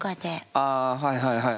ああはいはいはい。